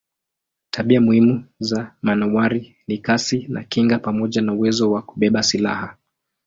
Tabia muhimu za manowari ni kasi na kinga pamoja na uwezo wa kubeba silaha.